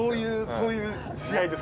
そういう試合です。